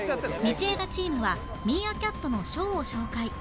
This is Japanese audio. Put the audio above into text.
道枝チームはミーアキャットのショーを紹介